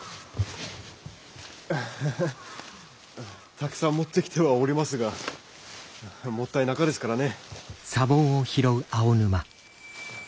たくさん持ってきてはおりますがもったいなかですからね。